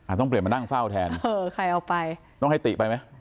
ต้องเปลี่ยนมานั่งเฝ้าแทนเออใครเอาไปต้องให้ติไปไหม